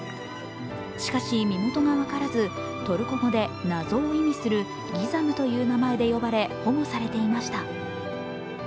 しかし、身元が分からず、トルコ語で謎を意味するギザムという名前で呼ばれ保護されていました。